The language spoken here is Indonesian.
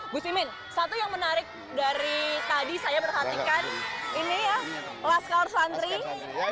gus imin satu yang menarik dari tadi saya perhatikan ini ya laskar santri